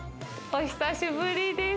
お久しぶりです。